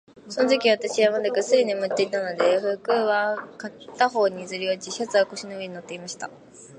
そのとき、私はまだぐっすり眠っていたので、服は片方にずり落ち、シャツは腰の上に載っていました。